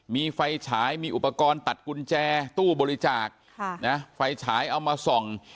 มีไฟฉายมีอุปกรณ์ตัดกุญแจตู้บริจาคไฟฉายเอามาส่อง